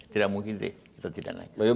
tidak mungkin deh